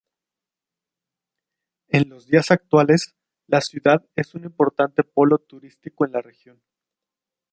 En los días actuales, la ciudad es un importante polo turístico en la región.